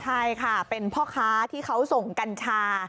ใช่ค่ะเป็นพ่อค้าที่เขาส่งกัญชา